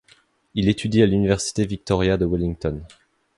Il étudie à l'université Victoria de Wellington.